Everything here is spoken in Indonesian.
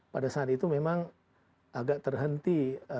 pada saat itu memang agak terhenti